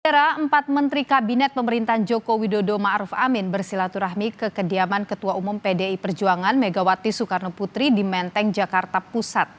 era empat menteri kabinet pemerintahan joko widodo ⁇ maruf ⁇ amin bersilaturahmi ke kediaman ketua umum pdi perjuangan megawati soekarno putri di menteng jakarta pusat